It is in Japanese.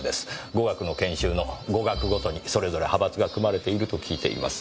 語学の研修の語学ごとにそれぞれ派閥が組まれていると聞いています。